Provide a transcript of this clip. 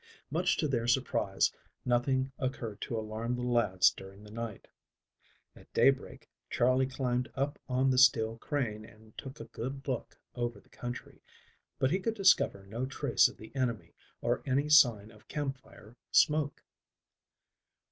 Much to their surprise nothing occurred to alarm the lads during the night. At daybreak Charley climbed up on the steel crane and took a good look over the country, but he could discover no trace of the enemy or any sign of campfire smoke.